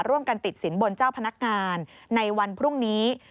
ติดสินบนเจ้าพนักงานในวันพรุ่งนี้